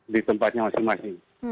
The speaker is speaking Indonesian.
di tempatnya masing masing